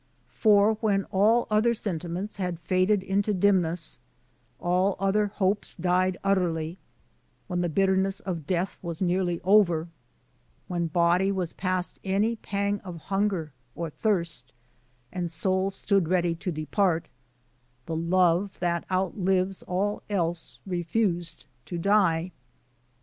For, when all other sentiments had faded into dimness, all other hopes died utterly; when the bitterness of death was nearly over, when body was past any pang of hunger or thirst, and soul stood ready to deparjt, the love that out lives all else refused to die.